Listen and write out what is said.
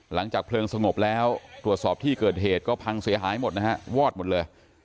หลังจากเพลิงสงบแล้วตรวจสอบที่เกิดเหตุก็พังเสียหายหมดนะฮะวอดหมดเลย